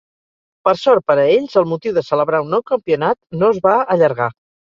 Per sort per a ells, el motiu de celebrar un nou campionat no es va allargar.